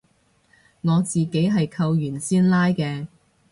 我自己係扣完先拉嘅